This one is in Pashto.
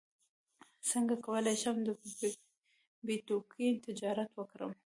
څنګه کولی شم د بیتکوین تجارت وکړم